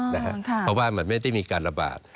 เพราะว่ามันไม่ได้มีการระบาด